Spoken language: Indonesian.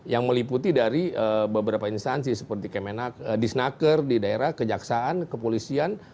yang meliputi dari beberapa instansi seperti disnaker di daerah kejaksaan kepolisian